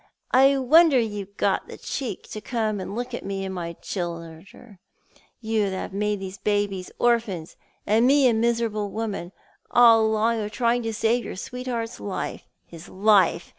" I wonder you ve got the cheek to come and look at me and my childer— you that have made those babies orphans, and me a miserable woman all along of trying to save your sweetheart's life. His life!